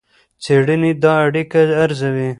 څېړنې دا اړیکه ارزوي.